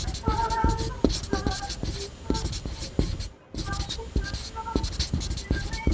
成化十四年中式戊戌科三甲进士。